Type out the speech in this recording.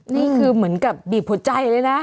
นี่คือเหมือนกับบีบหัวใจเลยนะ